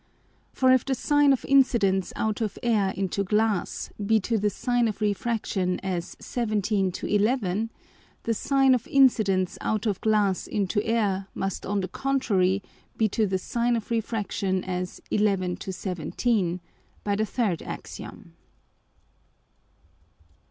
For if the Sine of Incidence out of Air into Glass be to the Sine of Refraction as 17 to 11, the Sine of Incidence out of Glass into Air must on the contrary be to the Sine of Refraction as 11 to 17, by the third Axiom.